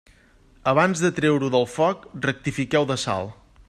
Abans de treure-ho del foc rectifiqueu de sal.